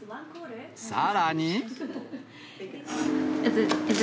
さらに。